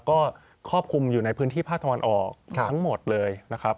ก็ควบคุมอยู่ในพื้นที่พระธรรมออกทั้งหมดเลยนะครับ